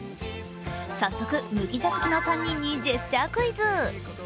早速、麦茶好きの３人にジェスチャークイズ。